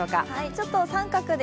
ちょっと△で。